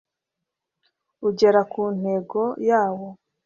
ugera ku ntego yawo